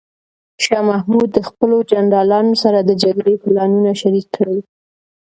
شاه محمود د خپلو جنرالانو سره د جګړې پلانونه شریک کړل.